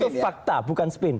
dan itu fakta bukan spin